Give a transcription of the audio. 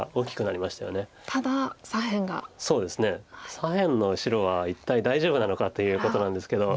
左辺の白は一体大丈夫なのかということなんですけど。